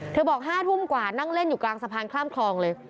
บอก๕ทุ่มกว่านั่งเล่นอยู่กลางสะพานข้ามคลองเลย